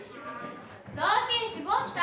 雑巾絞った？